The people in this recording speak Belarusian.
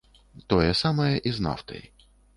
Тое самае і з нафтай.